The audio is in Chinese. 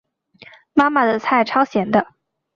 妈妈的菜超咸的